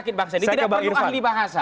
tidak perlu ahli bahasa